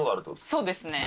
そうですね。